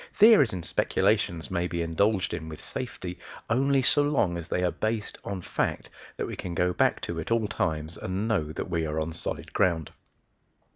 Theories and speculations may be indulged in with safety only so long as they are based on facts that we can go back to at all times and know that we are on solid ground.